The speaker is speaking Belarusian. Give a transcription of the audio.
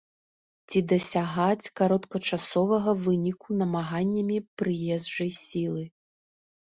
Ці дасягаць кароткачасовага выніку намаганнямі прыезджай сілы.